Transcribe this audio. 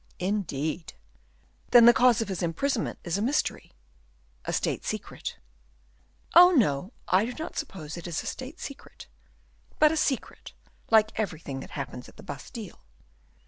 "Indeed! Then the cause of his imprisonment is a mystery a state secret." "Oh, no! I do not suppose it is a state secret, but a secret like everything that happens at the Bastile."